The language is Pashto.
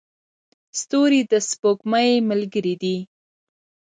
ستوري د سپوږمۍ ملګري دي.